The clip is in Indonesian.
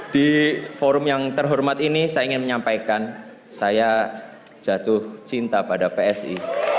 di forum yang terhormat ini saya ingin menyampaikan saya jatuh cinta pada psi